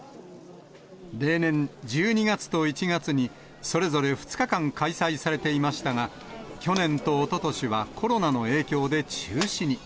例年、１２月と１月に、それぞれ２日間開催されていましたが、去年とおととしはコロナの影響で中止に。